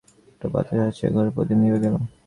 একটা বাতাস আসিয়া ঘরের প্রদীপ নিবিয়া গেল।